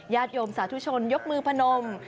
ญาติโยมสาธุชนยกมือพระนม